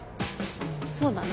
そうだな。